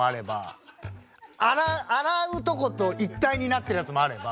洗うとこと一体になってるやつもあれば。